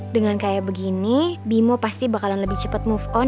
dengan kayak begini bimo pasti bakalan lebih cepat move on